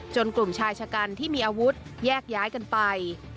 กลุ่มชายชะกันที่มีอาวุธแยกย้ายกันไป